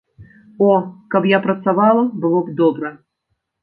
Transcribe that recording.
О, каб я працавала, было б добра.